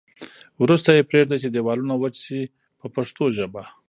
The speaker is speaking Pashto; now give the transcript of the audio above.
وروسته یې پرېږدي چې دېوالونه وچ شي په پښتو ژبه.